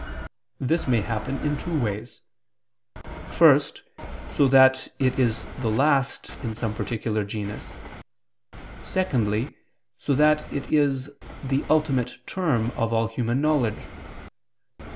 _ This may happen in two ways: first, so that it is the last in some particular genus; secondly, so that it is the ultimate term of all human knowledge.